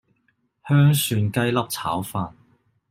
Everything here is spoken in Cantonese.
香蒜雞粒炒飯